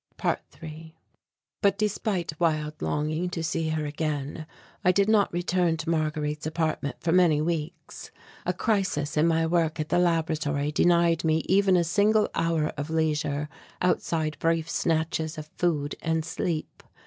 ~3~ But despite wild longing to see her again, I did not return to Marguerite's apartment for many weeks. A crisis in my work at the laboratory denied me even a single hour of leisure outside brief snatches of food and sleep.